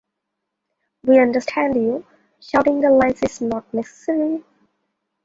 We understand you, shouting the lines is not necessary.